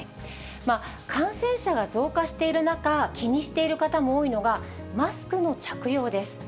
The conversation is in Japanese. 感染者が増加している中、気にしている方も多いのが、マスクの着用です。